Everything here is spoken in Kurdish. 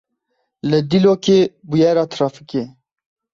Li Dîlokê bûyera trafîkê.